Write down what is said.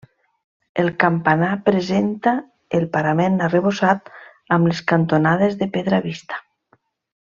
El campanar presenta el parament arrebossat, amb les cantonades de pedra vista.